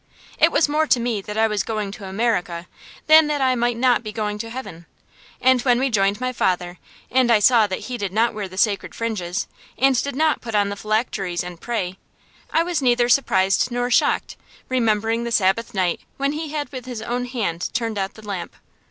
It was more to me that I was going to America than that I might not be going to Heaven. And when we joined my father, and I saw that he did not wear the sacred fringes, and did not put on the phylacteries and pray, I was neither surprised nor shocked, remembering the Sabbath night when he had with his own hand turned out the lamp.